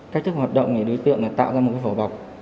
cách thức hoạt động để đối tượng tạo ra một cái phổ bọc